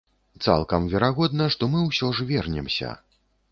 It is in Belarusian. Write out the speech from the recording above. Цалкам верагодна, што мы ўсё ж вернемся.